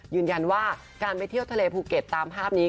ยืนยันว่าการไปเที่ยวทะเลภูเก็ตตามภาพนี้